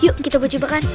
yuk kita buat ribakan